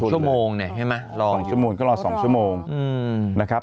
ชั่วโมงเนี่ยใช่ไหมรอ๒ชั่วโมงก็รอ๒ชั่วโมงนะครับ